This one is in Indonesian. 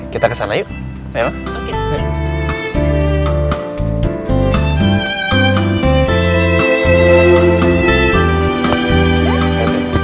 kita kesana yuk